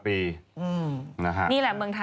๖๔ปี๖เดือน